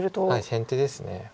先手です。